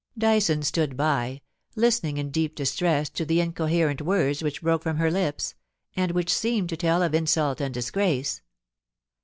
Dyson stood by, listening in deep distress to the inco herent words which broke from her lips, and which seemed to tell of insult and disgrace.